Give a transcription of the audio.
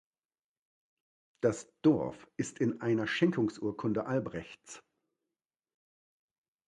Das Dorf ist in einer Schenkungsurkunde Albrechts.